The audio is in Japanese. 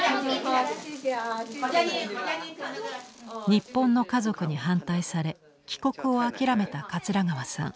日本の家族に反対され帰国を諦めた桂川さん。